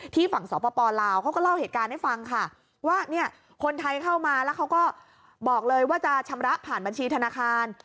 ฝั่งสปลาวเขาก็เล่าเหตุการณ์ให้ฟังค่ะว่าเนี่ยคนไทยเข้ามาแล้วเขาก็บอกเลยว่าจะชำระผ่านบัญชีธนาคาร